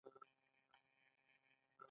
ژر تر ژره باید نوې تولیدي اړیکې رامنځته شي.